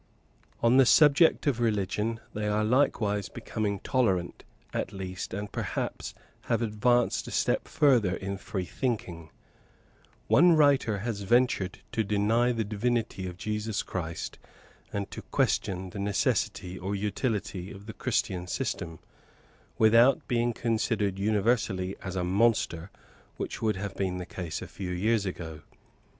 On the subject of religion they are likewise becoming tolerant, at least, and perhaps have advanced a step further in free thinking. One writer has ventured to deny the divinity of Jesus Christ, and to question the necessity or utility of the Christian system, without being considered universally as a monster, which would have been the case a few years ago.